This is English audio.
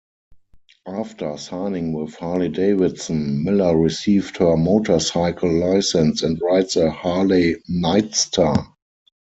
After signing with Harley-Davidson, Miller received her motorcycle license and rides a Harley Nightster.